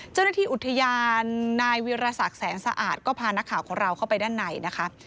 เจ้าหน้าที่อุทยานนายวิรสักแสงสะอาดก็พานักข่าวของเราเข้าไปด้านในนะคะ